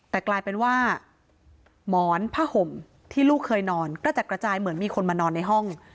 แต่กลายเป็นว่าหมอนผ้าห่มที่ลูกเคยนอนกระจัดกระจายเหมือนมีคนมานอนในห้อง